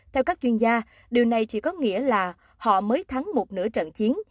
theo các chuyên gia điều này chỉ có nghĩa là họ mới thắng một nửa trận chiến